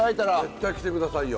絶対来て下さいよ。